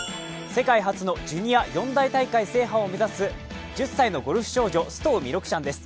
世界初のジュニア四大大会完全制覇を目指す１０歳のゴルフ少女須藤弥勒ちゃんです。